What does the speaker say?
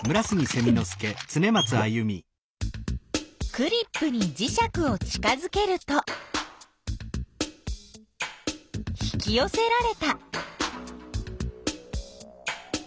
クリップにじしゃくを近づけると引きよせられた。